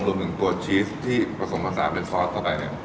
รวมถึงตัวชีสที่ผสมภาษาเป็นซอสต่อไปเนี่ย